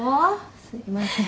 すいません。